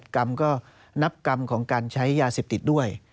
กรรมก็นับกรรมของการใช้ยาเสพติดด้วย